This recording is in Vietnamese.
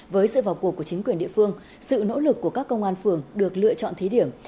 với sự vào cuộc của chính quyền địa phương sự nỗ lực của các công an phường được lựa chọn thí điểm